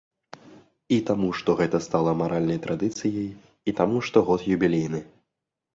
І таму што гэта стала маральнай традыцыяй, і таму што год юбілейны.